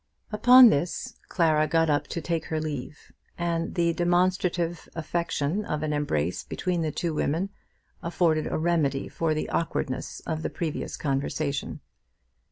Upon this Clara got up to take her leave, and the demonstrative affection of an embrace between the two women afforded a remedy for the awkwardness of the previous conversation.